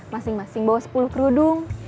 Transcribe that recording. masing masing bawa sepuluh kerudung